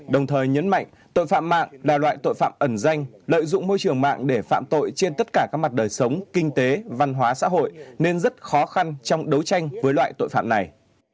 đồng thời nhấn mạnh tội phạm mạng là loại tội phạm ẩn danh lợi dụng môi trường mạng để phạm tội trên tất cả các mặt đời sống kinh tế văn hóa xã hội nên rất khó khăn trong đấu tranh với loại tội phạm này